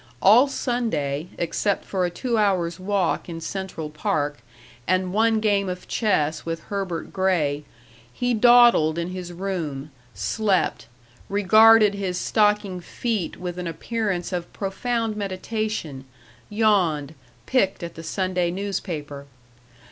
All Sunday, except for a two hours' walk in Central Park, and one game of chess with Herbert Gray, he dawdled in his room, slept, regarded his stocking feet with an appearance of profound meditation, yawned, picked at the Sunday newspaper.